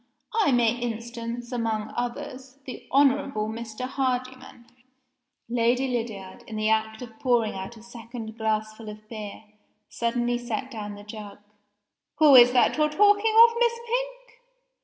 I may instance among others, the Honorable Mr. Hardyman " Lady Lydiard, in the act of pouring out a second glassful of beer, suddenly set down the jug. "Who is that you're talking of, Miss Pink?"